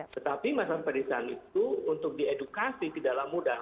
tetapi masalah pedesaan itu untuk diedukasi tidaklah mudah